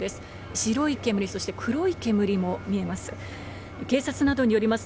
白い煙、そして黒い煙も見えます。